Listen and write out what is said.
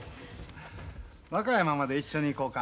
和歌山まで一緒に行こうか。